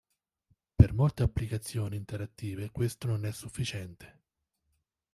Per molte applicazioni interattive questo non è sufficiente.